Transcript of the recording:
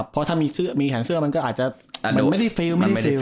เพราะถ้ามีแขนเสื้อมันก็ไม่ได้ฟีล